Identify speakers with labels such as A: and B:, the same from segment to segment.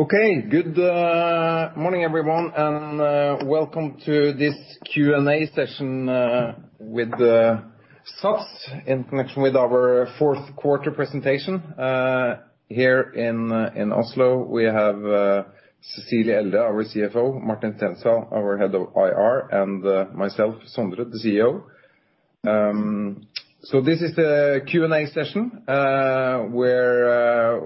A: Okay. Good morning everyone, and welcome to this Q&A session with SATS in connection with our fourth quarter presentation. Here in Oslo, we have Cecilie Elde, our CFO, Martin Stensrud, our head of IR, and myself, Sondre, the CEO. This is the Q&A session where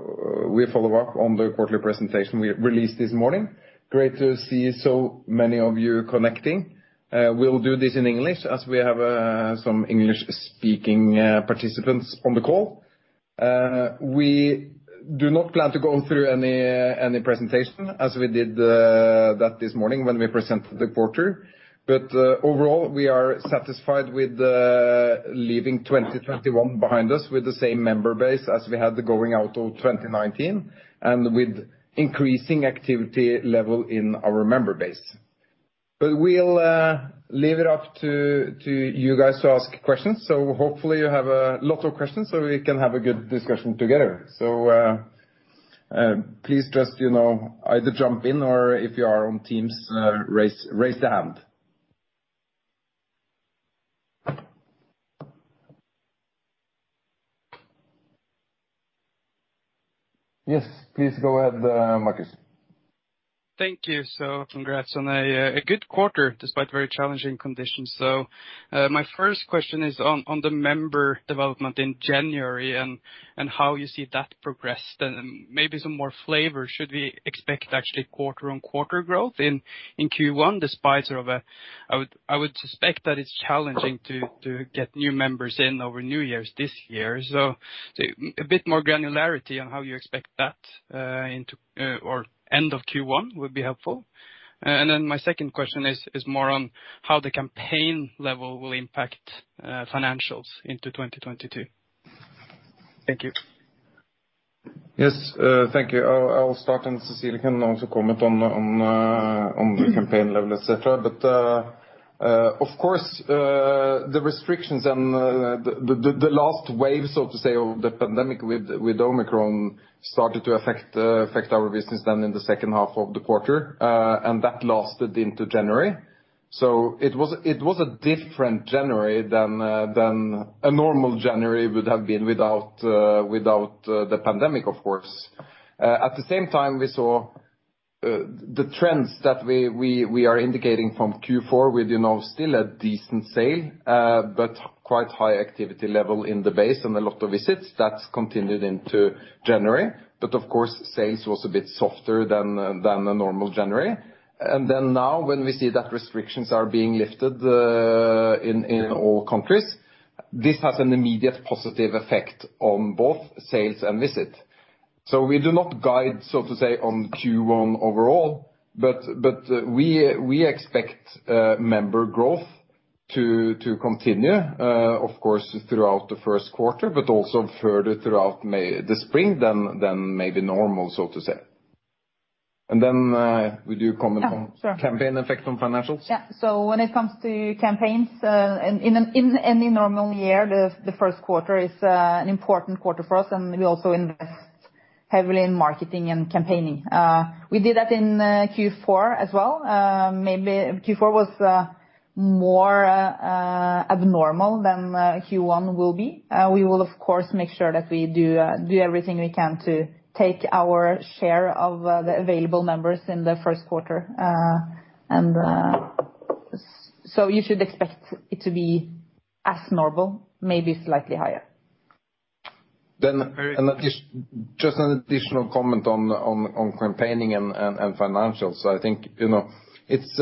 A: we follow up on the quarterly presentation we released this morning. Great to see so many of you connecting. We'll do this in English as we have some English-speaking participants on the call. We do not plan to go through any presentation as we did that this morning when we presented the quarter. Overall, we are satisfied with leaving 2021 behind us with the same member base as we had going out of 2019 and with increasing activity level in our member base. We'll leave it up to you guys to ask questions. So hopefully you have a lot of questions, so we can have a good discussion together. So please just, you know, either jump in or if you are on Teams, raise the hand. Yes, please go ahead, Markus.
B: Thank you. Congrats on a good quarter despite very challenging conditions. My first question is on the member development in January and how you see that progress, and maybe some more flavor. Should we expect actually quarter-on-quarter growth in Q1, despite I would suspect that it's challenging to get new members in over New Year's this year. A bit more granularity on how you expect that into or end of Q1 would be helpful. And then my second question is more on how the campaign level will impact financials into 2022. Thank you.
A: Yes, thank you. I'll start, and Cecilie can also comment on the campaign level, etc. Of course, the restrictions and the last wave, so to say, of the pandemic with Omicron started to affect our business then in the second half of the quarter, and that lasted into January. It was a different January than a normal January would have been without the pandemic, of course. At the same time, we saw the trends that we are indicating from Q4 with, you know, still a decent sales, but quite high activity level in the base and a lot of visits. That's continued into January. Of course, sales was a bit softer than a normal January. Now when we see that restrictions are being lifted, in all countries, this has an immediate positive effect on both sales and visit. We do not guide, so to say, on Q1 overall, but we expect member growth to continue, of course, throughout the first quarter, but also further throughout the spring than maybe normal, so to say. Would you comment on-
C: Yeah, sure.
A: Campaign effect on financials?
C: Yeah. When it comes to campaigns, in any normal year, the first quarter is an important quarter for us, and we also invest heavily in marketing and campaigning. We did that in Q4 as well. Maybe Q4 was more abnormal than Q1 will be. We will of course make sure that we do everything we can to take our share of the available members in the first quarter. You should expect it to be as normal, maybe slightly higher.
A: Just an additional comment on campaigning and financials. I think, you know, it's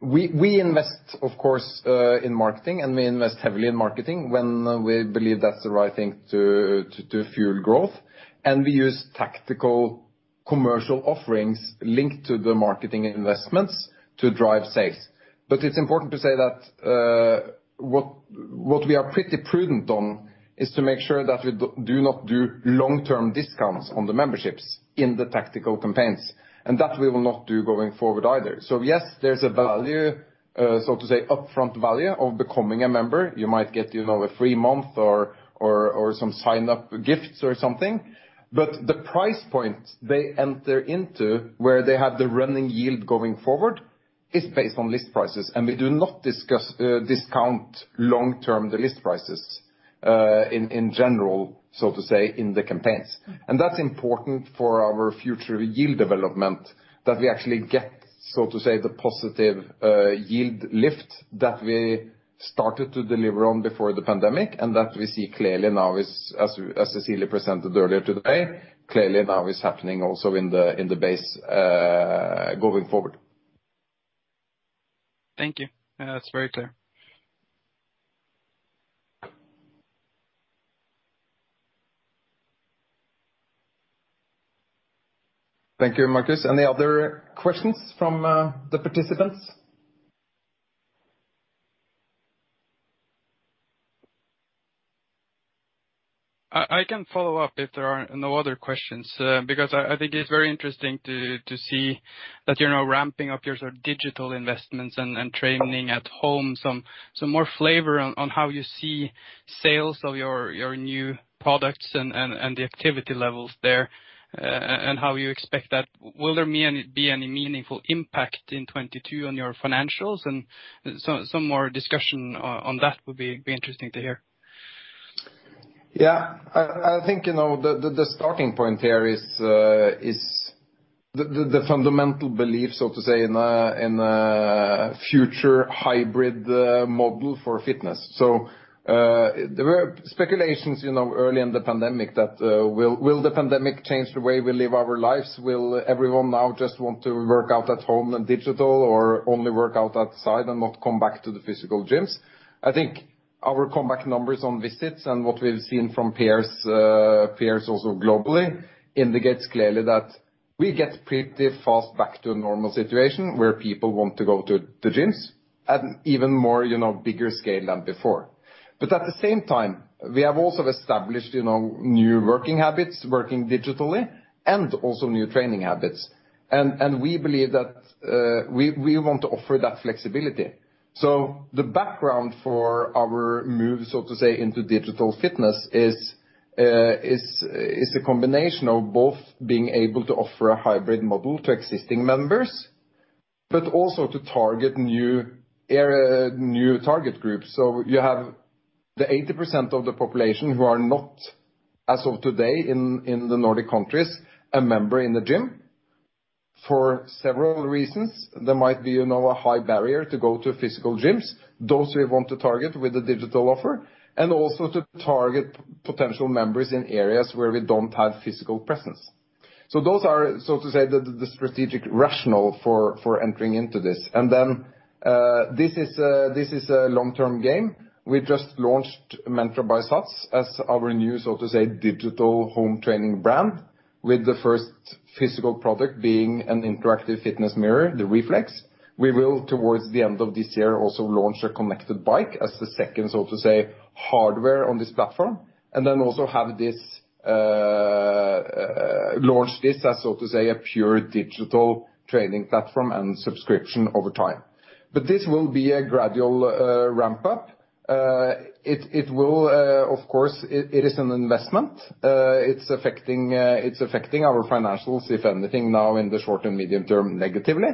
A: we invest, of course, in marketing, and we invest heavily in marketing when we believe that's the right thing to fuel growth. We use tactical commercial offerings linked to the marketing investments to drive sales. It's important to say that what we are pretty prudent on is to make sure that we do not do long-term discounts on the memberships in the tactical campaigns, and that we will not do going forward either. Yes, there's a value, so to say, upfront value of becoming a member. You might get, you know, a free month or some sign-up gifts or something. The price point they enter into where they have the running yield going forward is based on list prices. We do not discuss discount long-term the list prices in general, so to say, in the campaigns. That's important for our future yield development that we actually get, so to say, the positive yield lift that we started to deliver on before the pandemic and that we see clearly now is, as Cecilie presented earlier today, clearly now is happening also in the base going forward.
B: Thank you. That's very clear.
A: Thank you, Markus. Any other questions from the participants?
B: I can follow up if there are no other questions, because I think it's very interesting to see that you're now ramping up your sort of digital investments and training at home, some more flavor on how you see sales of your new products and the activity levels there, and how you expect that. Will there be any meaningful impact in 2022 on your financials? Some more discussion on that would be interesting to hear.
A: Yeah. I think, you know, the starting point here is the fundamental belief, so to say, in a future hybrid model for fitness. There were speculations, you know, early in the pandemic that will the pandemic change the way we live our lives? Will everyone now just want to work out at home and digital or only work out outside and not come back to the physical gyms? I think our comeback numbers on visits and what we've seen from peers also globally indicates clearly that we get pretty fast back to a normal situation where people want to go to the gyms at an even more, you know, bigger scale than before. At the same time, we have also established, you know, new working habits, working digitally, and also new training habits. We believe that we want to offer that flexibility. The background for our move, so to say, into digital fitness is a combination of both being able to offer a hybrid model to existing members, but also to target new area, new target groups. You have the 80% of the population who are not, as of today in the Nordic countries, a member in the gym. For several reasons, there might be, you know, a high barrier to go to physical gyms, those we want to target with the digital offer, and also to target potential members in areas where we don't have physical presence. Those are, so to say, the strategic rationale for entering into this. This is a long-term game. We just launched Mentra by SATS as our new, so to say, digital home training brand, with the first physical product being an interactive fitness mirror, the Rflex. We will, towards the end of this year, also launch a connected bike as the second, so to say, hardware on this platform, and then also have this, launch this as, so to say, a pure digital training platform and subscription over time. This will be a gradual ramp-up. It will, of course, it is an investment. It's affecting our financials, if anything, now in the short and medium term negatively.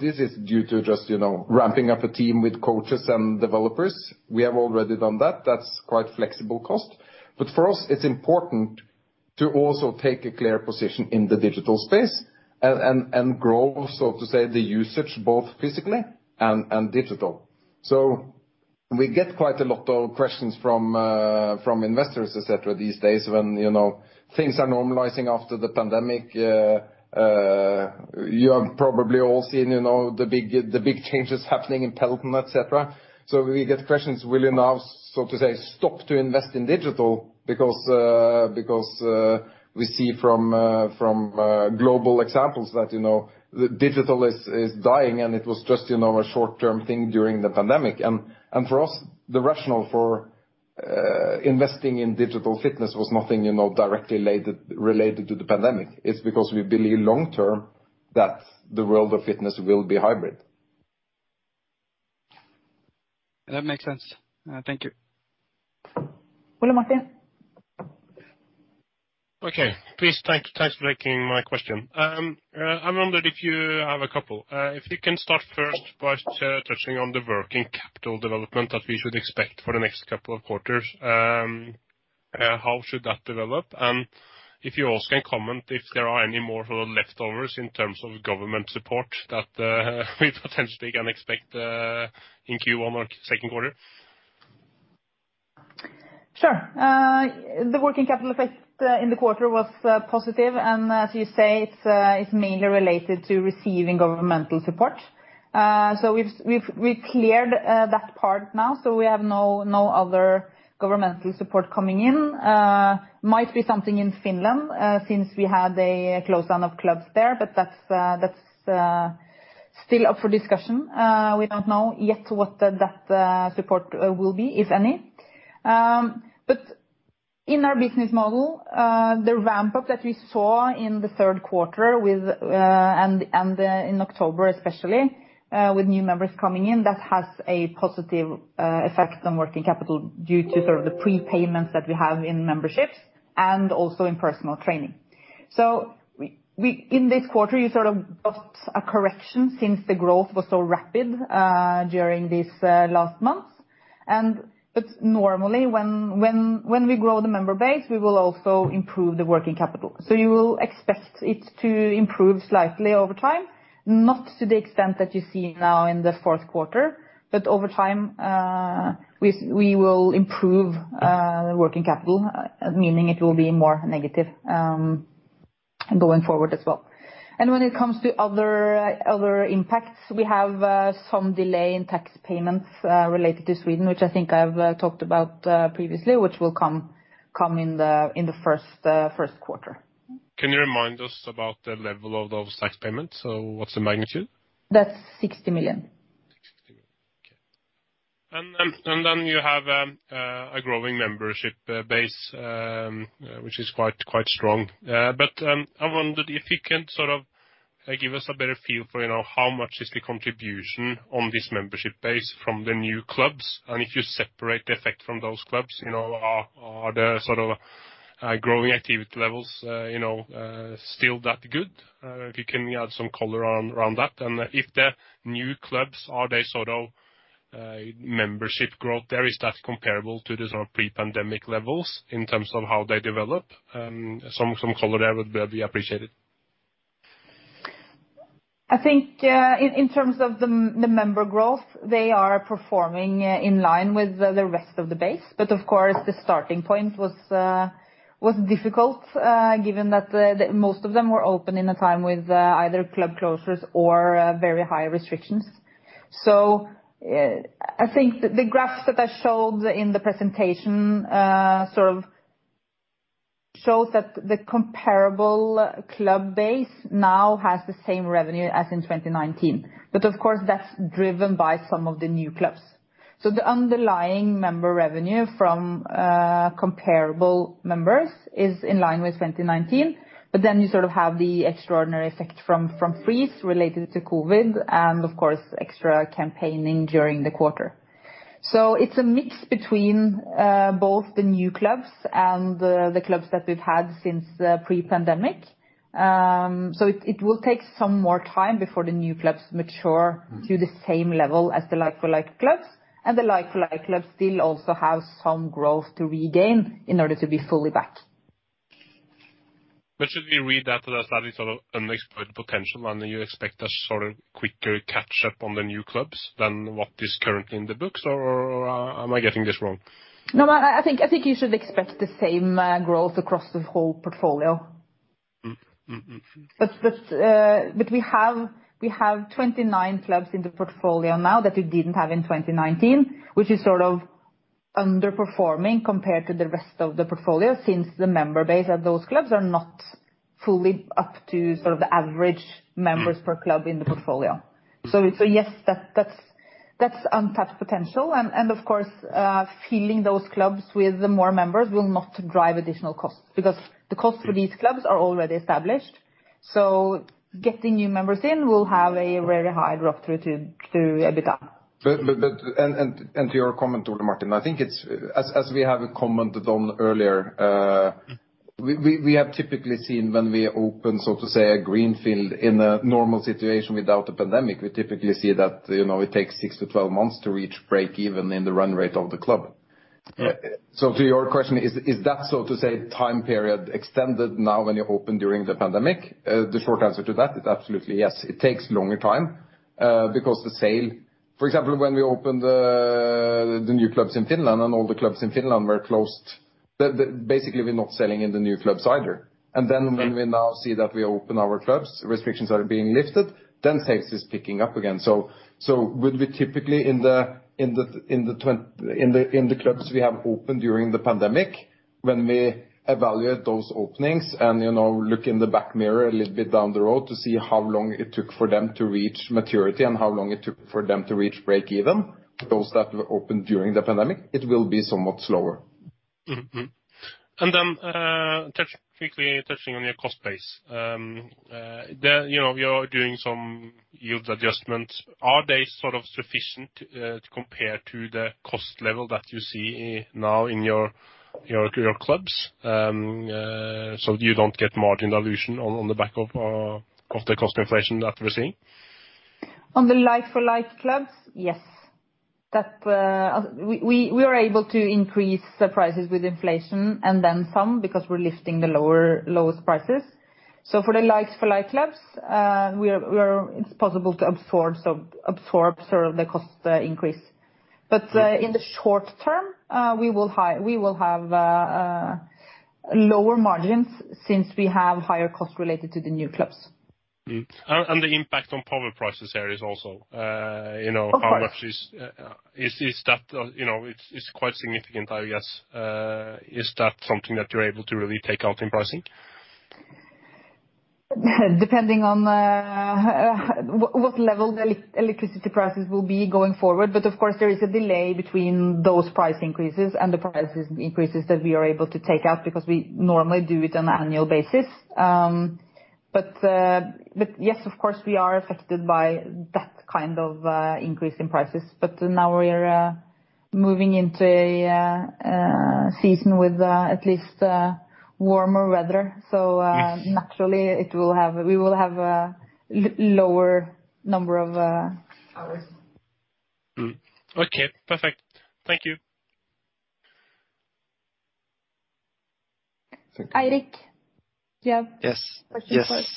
A: This is due to just, you know, ramping up a team with coaches and developers. We have already done that. That's quite flexible cost. For us, it's important to also take a clear position in the digital space and grow, so to say, the usage both physically and digital. We get quite a lot of questions from investors, et cetera, these days when, you know, things are normalizing after the pandemic. You have probably all seen, you know, the big changes happening in Peloton, et cetera. We get questions, will you now, so to say, stop to invest in digital because we see from global examples that, you know, digital is dying and it was just, you know, a short-term thing during the pandemic. For us, the rationale for investing in digital fitness was nothing, you know, directly related to the pandemic. It's because we believe long-term that the world of fitness will be hybrid.
B: That makes sense. Thank you.
C: Ole Martin.
D: Okay. Please, thanks for taking my question. If we can start first by touching on the working capital development that we should expect for the next couple of quarters, how should that develop? If you also can comment if there are any more sort of leftovers in terms of government support that we potentially can expect in Q1 or second quarter.
C: Sure. The working capital effect in the quarter was positive. As you say, it's mainly related to receiving governmental support. We've cleared that part now, so we have no other governmental support coming in. Might be something in Finland since we had a close down of clubs there, but that's still up for discussion. We don't know yet what that support will be, if any. In our business model, the ramp-up that we saw in the third quarter with and in October especially with new members coming in, that has a positive effect on working capital due to sort of the prepayments that we have in memberships and also in personal training. In this quarter, you sort of got a correction since the growth was so rapid during these last months. Normally when we grow the member base, we will also improve the working capital. You will expect it to improve slightly over time, not to the extent that you see now in the fourth quarter. Over time, we will improve working capital, meaning it will be more negative going forward as well. When it comes to other impacts, we have some delay in tax payments related to Sweden, which I think I've talked about previously, which will come in the first quarter.
D: Can you remind us about the level of those tax payments? What's the magnitude?
C: That's 60 million.
D: Okay. You have a growing membership base which is quite strong. I wondered if you can sort of like give us a better feel for, you know, how much is the contribution on this membership base from the new clubs, and if you separate the effect from those clubs, you know, are there sort of growing activity levels, you know, still that good? If you can add some color around that. If the new clubs are they sort of membership growth there, is that comparable to the sort of pre-pandemic levels in terms of how they develop? Some color there would be appreciated.
C: I think in terms of the member growth, they are performing in line with the rest of the base. Of course, the starting point was difficult given that the most of them were open in a time with either club closures or very high restrictions. I think the graphs that I showed in the presentation sort of shows that the comparable club base now has the same revenue as in 2019. Of course, that's driven by some of the new clubs. The underlying member revenue from comparable members is in line with 2019, but then you sort of have the extraordinary effect from freeze related to COVID and of course, extra campaigning during the quarter. It's a mix between both the new clubs and the clubs that we've had since pre-pandemic. It will take some more time before the new clubs mature to the same level as the like-for-like clubs. The like-for-like clubs still also have some growth to regain in order to be fully back.
D: Should we read that as that is sort of unexploited potential, and you expect a sort of quicker catch-up on the new clubs than what is currently in the books, or am I getting this wrong?
C: No, I think you should expect the same growth across the whole portfolio.
D: Mm, mm.
C: We have 29 clubs in the portfolio now that we didn't have in 2019, which is sort of underperforming compared to the rest of the portfolio since the member base at those clubs are not fully up to sort of the average members per club in the portfolio. Yes, that's untapped potential. Of course, filling those clubs with more members will not drive additional costs because the cost for these clubs are already established. Getting new members in will have a very high drop through to EBITDA.
A: To your comment, Ole Martin, I think it's, as we have commented on earlier, we have typically seen when we open, so to say, a greenfield in a normal situation without the pandemic, we typically see that, you know, it takes six to 12 months to reach break even in the run rate of the club. To your question, is that, so to say, time period extended now when you open during the pandemic? The short answer to that is absolutely yes. It takes longer time, because for example, when we opened the new clubs in Finland and all the clubs in Finland were closed. Basically, we're not selling in the new clubs either. Then when we now see that we open our clubs, restrictions are being lifted, then sales is picking up again. would we typically in the clubs we have opened during the pandemic, when we evaluate those openings and, you know, look in the rearview mirror a little bit down the road to see how long it took for them to reach maturity and how long it took for them to reach break even, those that were opened during the pandemic, it will be somewhat slower.
D: Quickly touching on your cost base, you know, you're doing some yield adjustments. Are they sort of sufficient to compare to the cost level that you see now in your clubs so you don't get margin dilution on the back of the cost inflation that we're seeing?
C: On the like-for-like clubs, yes. That we are able to increase the prices with inflation and then some because we're lifting the lower, lowest prices. For the like-for-like clubs, it's possible to absorb sort of the cost increase. In the short term, we will have lower margins since we have higher costs related to the new clubs.
D: The impact on power prices there is also, you know-
C: Of course.
D: How much is that, you know? It's quite significant, I guess. Is that something that you're able to really take out in pricing?
C: Depending on what level the electricity prices will be going forward. Of course, there is a delay between those price increases and the price increases that we are able to take out because we normally do it on an annual basis. Yes, of course, we are affected by that kind of increase in prices. Now we are moving into a season with at least warmer weather.
D: Yes.
C: Naturally, we will have a lower number of hours.
D: Okay, perfect. Thank you.
C: Eirik.
E: Yes.
C: You have the floor.
E: Yes.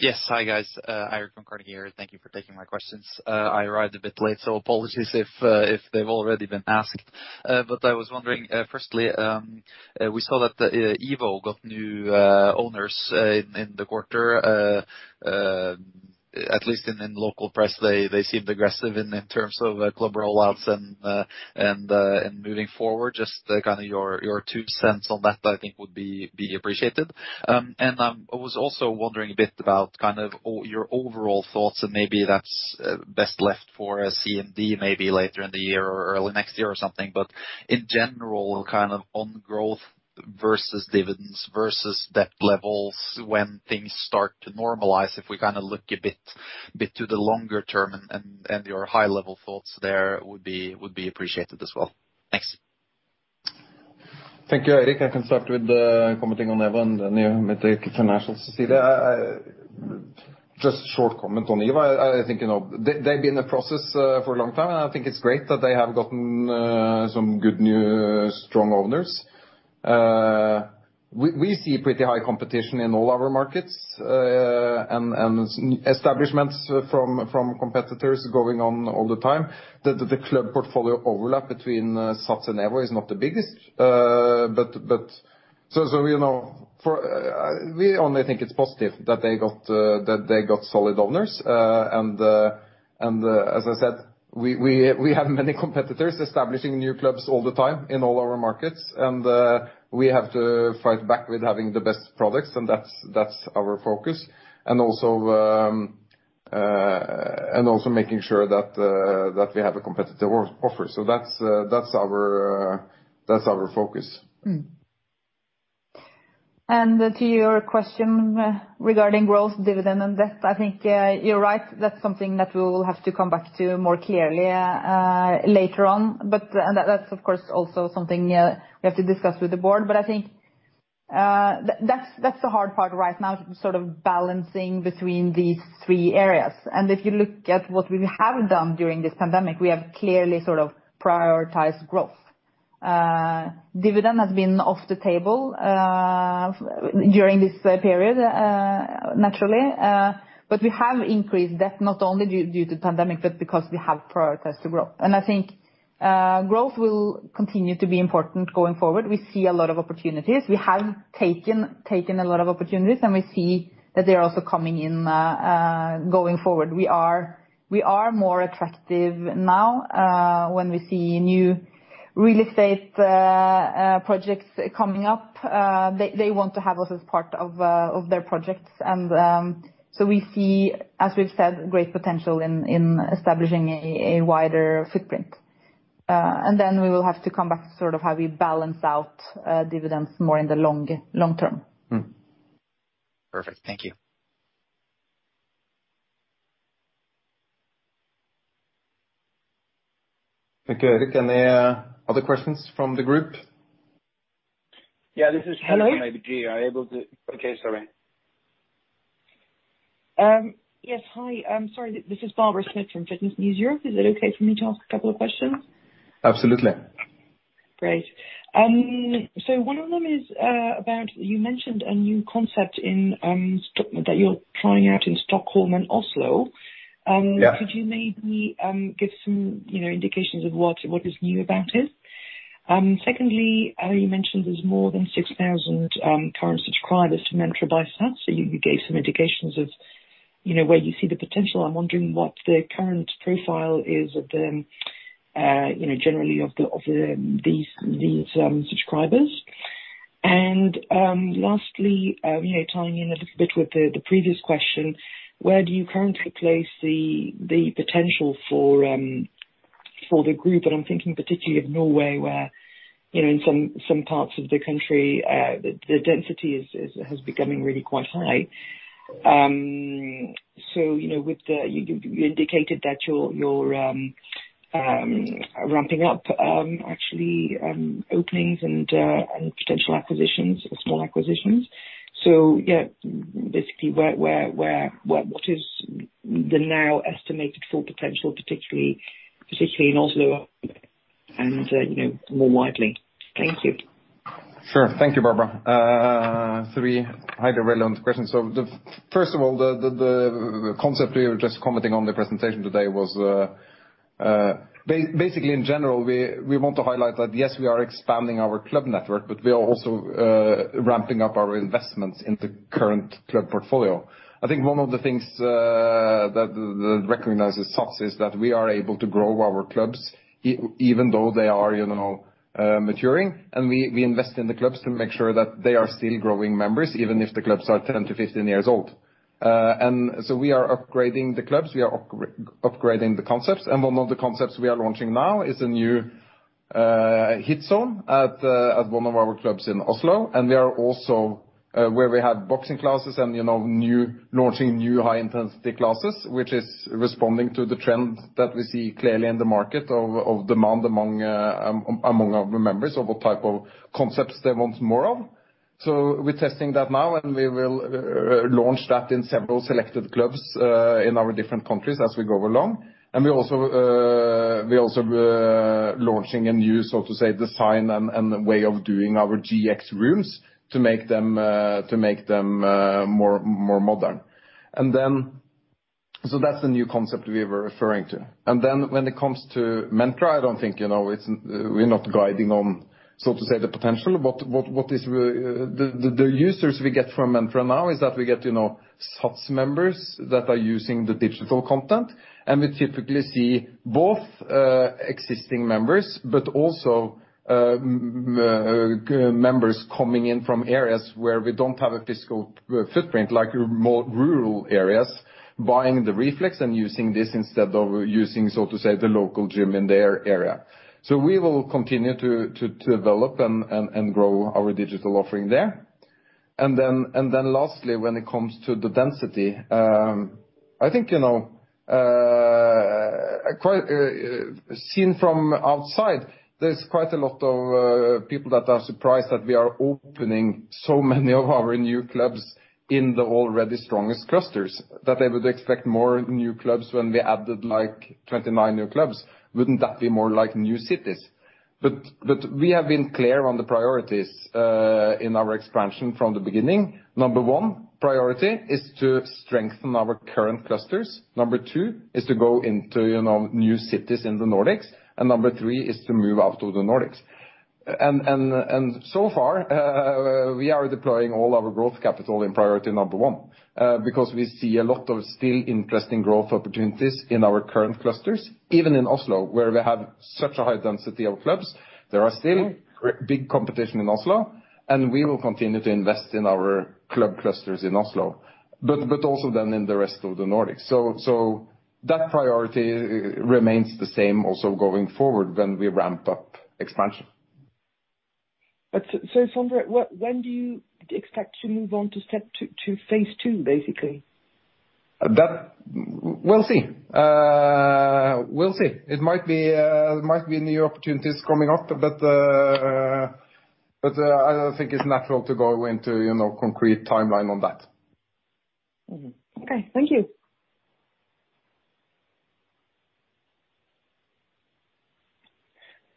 E: Yes. Hi, guys. Eirik from Carnegie here. Thank you for taking my questions. I arrived a bit late, so apologies if they've already been asked. I was wondering, firstly, we saw that EVO got new owners in the quarter. At least in local press, they seemed aggressive in terms of club rollouts and moving forward, just kind of your two cents on that, I think would be appreciated. I was also wondering a bit about kind of your overall thoughts, and maybe that's best left for a CMD maybe later in the year or early next year or something. In general, kind of on growth versus dividends versus debt levels when things start to normalize, if we kind of look a bit to the longer term and your high level thoughts there would be appreciated as well. Thanks.
A: Thank you, Eirik. I can start with commenting on EVO and then you may take international, Cecilie. Just short comment on EVO. I think, you know, they've been in the process for a long time, and I think it's great that they have gotten some good new strong owners. We see pretty high competition in all our markets, and establishments from competitors going on all the time. The club portfolio overlap between SATS and EVO is not the biggest. But, so as we know, we only think it's positive that they got solid owners. As I said, we have many competitors establishing new clubs all the time in all our markets, and we have to fight back with having the best products, and that's our focus, also making sure that we have a competitive offer. That's our focus.
C: To your question regarding growth, dividend, and debt, I think you're right. That's something that we'll have to come back to more clearly later on. That's, of course, also something we have to discuss with the board. I think that's the hard part right now, sort of balancing between these three areas. If you look at what we have done during this pandemic, we have clearly sort of prioritized growth. Dividend has been off the table during this period naturally. We have increased debt not only due to pandemic, but because we have prioritized the growth. I think growth will continue to be important going forward. We see a lot of opportunities. We have taken a lot of opportunities, and we see that they're also coming in going forward. We are more attractive now when we see new real estate projects coming up. They want to have us as part of their projects. We see, as we've said, great potential in establishing a wider footprint. We will have to come back to sort of how we balance out dividends more in the long term.
E: Perfect. Thank you.
A: Thank you, Eirik. Any other questions from the group?
F: Yeah.
G: Hello?
F: From ABG. Okay, sorry.
G: Yes. Hi. I'm sorry. This is Barbara Smit from Fitness News Europe. Is it okay for me to ask a couple of questions?
A: Absolutely.
G: Great. One of them is about you mentioned a new concept that you're trying out in Stockholm and Oslo.
A: Yeah.
G: Could you maybe give some, you know, indications of what is new about it? Secondly, earlier you mentioned there's more than 6,000 current subscribers to Mentra by SATS. So you gave some indications of, you know, where you see the potential. I'm wondering what the current profile is of them, you know, generally of these subscribers. Lastly, you know, tying in a little bit with the previous question, where do you currently place the potential for the group? I'm thinking particularly of Norway, where, you know, in some parts of the country, the density is becoming really quite high. You know, you indicated that you're ramping up actually openings and potential acquisitions, small acquisitions. Yeah, basically, where what is the now estimated full potential, particularly in Oslo and you know more widely? Thank you.
A: Sure. Thank you, Barbara. Three hyper relevant questions. First of all, the concept we were just commenting on the presentation today was basically, in general, we want to highlight that, yes, we are expanding our club network, but we are also ramping up our investments in the current club portfolio. I think one of the things that recognizes SATS is that we are able to grow our clubs even though they are, you know, maturing. We invest in the clubs to make sure that they are still growing members, even if the clubs are 10-15 years old. We are upgrading the clubs, we are upgrading the concepts. One of the concepts we are launching now is a new HIIT Zone at one of our clubs in Oslo where we have boxing classes and, you know, launching new high-intensity classes, which is responding to the trend that we see clearly in the market of demand among our members of what type of concepts they want more of. We're testing that now, and we will launch that in several selected clubs in our different countries as we go along. We are also launching a new, so to say, design and way of doing our GX rooms to make them more modern. That's the new concept we were referring to. Then when it comes to Mentra, I don't think, you know, we're not guiding on, so to say, the potential. What the users we get from Mentra now is that we get, you know, subs members that are using the digital content. We typically see both existing members, but also members coming in from areas where we don't have a physical footprint, like more rural areas, buying the Rflex and using this instead of using, so to say, the local gym in their area. We will continue to develop and grow our digital offering there. Last, when it comes to the density, I think, you know, quite seen from outside, there's quite a lot of people that are surprised that we are opening so many of our new clubs in the already strongest clusters, that they would expect more new clubs when we added, like, 29 new clubs. Wouldn't that be more like new cities? We have been clear on the priorities in our expansion from the beginning. Number one priority is to strengthen our current clusters. Number two is to go into, you know, new cities in the Nordics. So far, we are deploying all our growth capital in priority number one, because we see a lot of still interesting growth opportunities in our current clusters. Even in Oslo, where we have such a high density of clubs, there are still big competition in Oslo, and we will continue to invest in our club clusters in Oslo, but also then in the rest of the Nordics. That priority remains the same also going forward when we ramp up expansion.
G: Sondre, when do you expect to move on to phase two, basically?
A: That, we'll see. We'll see. It might be new opportunities coming up, but I don't think it's natural to go into, you know, concrete timeline on that.
G: Okay. Thank you.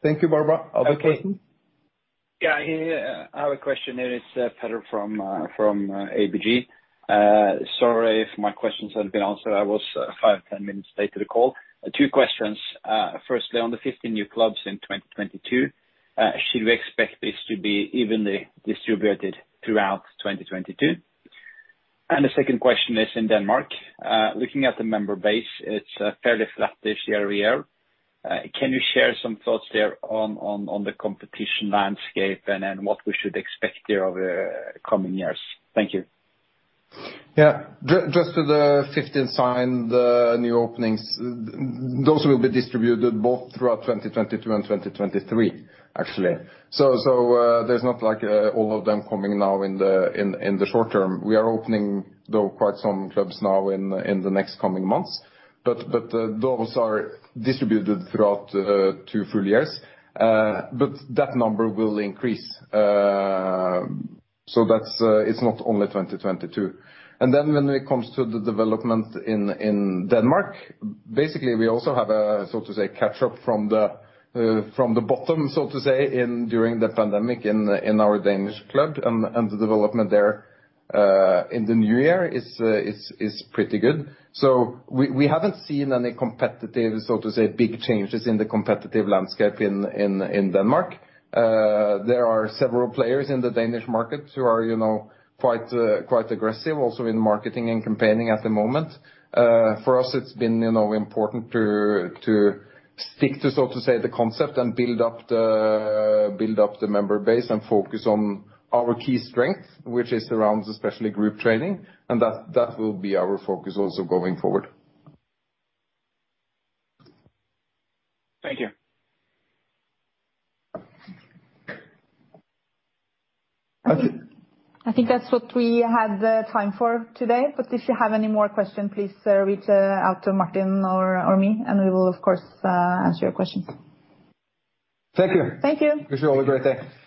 A: Thank you, Barbara. Other questions?
F: Yeah. I have a question here. It's Petter from ABG. Sorry if my questions have been answered. I was 5-10 minutes late to the call. Two questions. Firstly, on the 50 new clubs in 2022, should we expect this to be evenly distributed throughout 2022? The second question is in Denmark, looking at the member base, it's fairly flat this year-over-year. Can you share some thoughts there on the competition landscape and then what we should expect there over coming years? Thank you.
A: Yeah. Just to the 15 signed new openings, those will be distributed both throughout 2022 and 2023, actually. So, there's not like all of them coming now in the short term. We are opening, though, quite some clubs now in the next coming months, but those are distributed throughout two full years. But that number will increase. So that's, it's not only 2022. Then when it comes to the development in Denmark, basically, we also have a so to say catch up from the bottom, so to say, during the pandemic in our Danish club and the development there in the new year is pretty good. We haven't seen any competitive, so to say, big changes in the competitive landscape in Denmark. There are several players in the Danish market who are, you know, quite aggressive also in marketing and campaigning at the moment. For us, it's been, you know, important to stick to, so to say, the concept and build up the member base and focus on our key strengths, which is around especially group training, and that will be our focus also going forward.
F: Thank you.
A: Okay.
C: I think that's what we have the time for today. If you have any more questions, please reach out to Martin or me, and we will of course answer your questions.
A: Thank you.
C: Thank you.
A: Wish you all a great day.